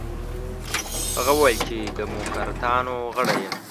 هغه وویل چې د دموکراتانو غړی یم.